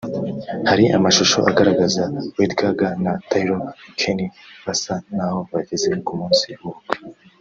Hari amashusho agaragaza Lady Gaga na Taylor Kinney basa n’aho bageze ku munsi w’ubukwe